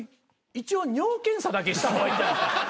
一応尿検査だけした方がいいんじゃないですか？